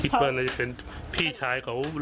อายุ๖ขวบซึ่งตอนนั้นเนี่ยเป็นพี่ชายมารอเอาน้องกั๊กนะคะ